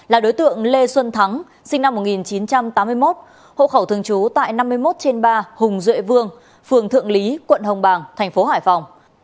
là đối tượng lê xuân thắng sinh năm một nghìn chín trăm tám mươi một hộ khẩu thường trú tại năm mươi một trên ba hùng duệ vương phường thượng lý quận hồng bàng thành phố hải phòng